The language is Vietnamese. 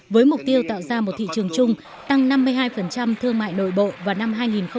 với mục tiêu tạo ra một thị trường chung tăng năm mươi hai thương mại nội bộ vào năm hai nghìn hai mươi